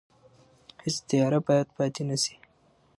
هیڅ تیاره باید پاتې نه شي.